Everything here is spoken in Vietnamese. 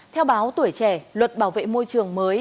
theo báo tuổi trẻ luật bảo vệ môi trường mới